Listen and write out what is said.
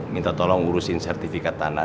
minta tolong ngurusin sertifikat tanah